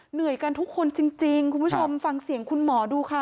เหนื่อยกันทุกคนจริงคุณผู้ชมฟังเสียงคุณหมอดูค่ะ